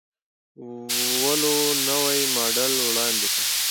ولوو نوی ماډل وړاندې کړ.